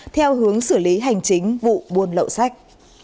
theo hướng xử lý hành chính vụ buôn lậu sách